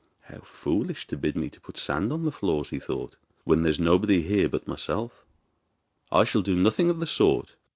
'How foolish to bid me to put sand on the floors,' he thought, 'when there is nobody here by myself! I shall do nothing of the sort.